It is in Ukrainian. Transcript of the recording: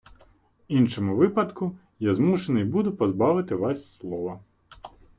В іншому випадку я змушений буду позбавити вас слова.